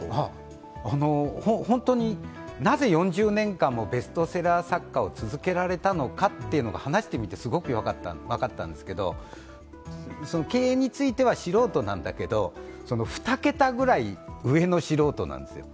本当に、なぜ４０年間もベストセラー作家を続けられたのかというのが話してみて、すごく分かったんですけど、経営については素人なんだけど２桁ぐらい上の素人なんですよ。